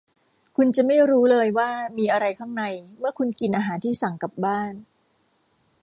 คุณจะไม่รู้เลยว่ามีอะไรข้างในเมื่อคุณกินอาหารที่สั่งกลับบ้าน